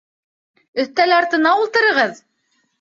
Өҫтәл артына ултырығыҙ!